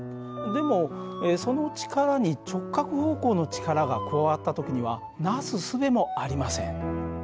でもその力に直角方向の力が加わった時にはなすすべもありません。